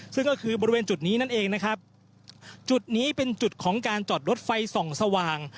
ซึ่งก็คือบริเวณจุดนี้นั่นเองนะครับจุดนี้เป็นจุดของการจอดรถไฟส่องสว่าง